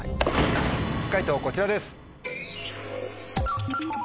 解答こちらです。